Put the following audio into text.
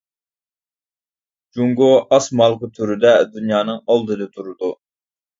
جۇڭگو ئاسما ھالقا تۈرىدە دۇنيانىڭ ئالدىدا تۈرىدۇ.